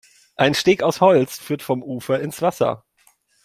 Ein Steg aus Holz führt vom Ufer ins Wasser.